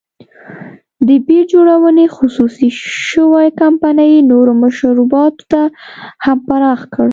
د بیر جوړونې خصوصي شوې کمپنۍ نورو مشروباتو ته هم پراخ کړ.